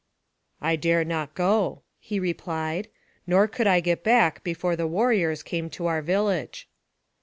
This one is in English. " I dare not go," he replied. " Nor could I get back before the warriors came to our village."